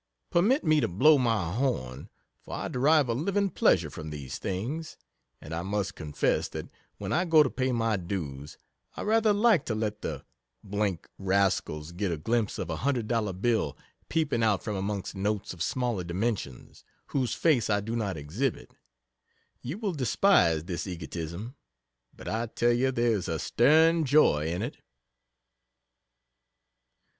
Permit me to "blow my horn," for I derive a living pleasure from these things, and I must confess that when I go to pay my dues, I rather like to let the d d rascals get a glimpse of a hundred dollar bill peeping out from amongst notes of smaller dimensions, whose face I do not exhibit! You will despise this egotism, but I tell you there is a "stern joy" in it.....